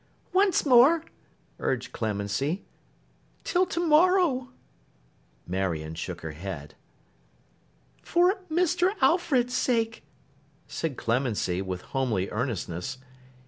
'Once more,' urged Clemency. 'Till to morrow.' Marion shook her head. 'For Mr. Alfred's sake,' said Clemency, with homely earnestness.